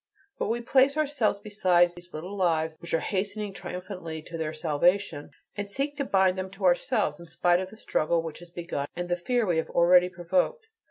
But we place ourselves beside these lives which are hastening triumphantly to their salvation, and seek to bind them to ourselves, in spite of the struggle which has begun and the fear we have already provoked.